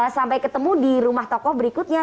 sampai ketemu di rumah tokoh berikutnya